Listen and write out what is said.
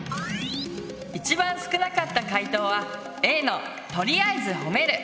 一番少なかった回答はＡの「とりあえず褒める」！